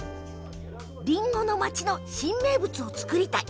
りんごの町の新名物を作りたい。